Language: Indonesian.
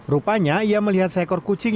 rupanya ia melihat seekor kucing